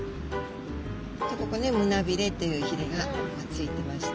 でここに胸びれというひれがついてまして